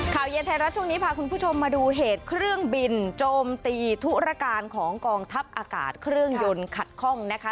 ข่าวเย็นไทยรัฐช่วงนี้พาคุณผู้ชมมาดูเหตุเครื่องบินโจมตีธุรการของกองทัพอากาศเครื่องยนต์ขัดข้องนะคะ